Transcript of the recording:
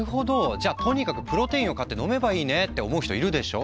じゃあとにかくプロテインを買って飲めばいいねって思う人いるでしょ。